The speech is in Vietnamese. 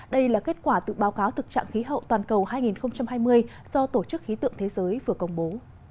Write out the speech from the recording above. đây là kết quả từ báo cáo thực trạng khí hậu toàn cầu hai nghìn hai mươi do tổ chức khí tượng thế giới vừa công bố